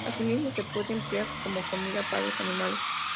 Asimismo se puede emplear como comida para los animales.